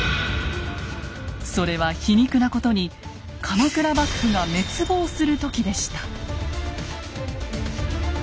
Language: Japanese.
それは皮肉なことに鎌倉幕府が滅亡する時でした。